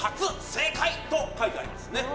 正解と書いてあります。